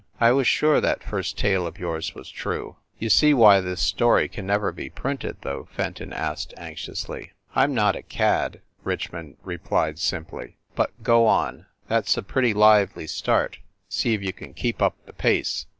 I was sure that first tale of yours was true." "You see why this story can never be printed, though?" Fenton asked anxiously. "I m not a cad," Richmond replied simply. "But go on. That s a pretty lively start; see if you can keep up the pace."